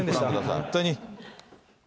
本当に。